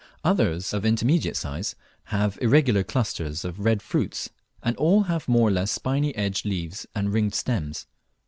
Others of intermediate size have irregular clusters of rough red fruits, and all have more or less spiny edged leaves and ringed stems.